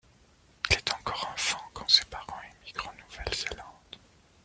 Il est encore enfant quand ses parents émigrent en Nouvelle-Zélande.